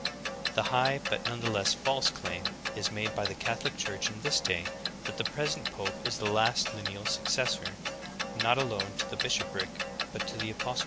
The high but none the less false claim is made by the Catholic Church in this day, that the present pope is the last lineal successor — not alone to the bishopric but to the apos tleship.